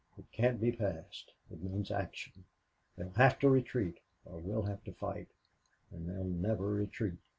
"It can't be passed. It means action. They'll have to retreat or we'll have to fight and they'll never retreat.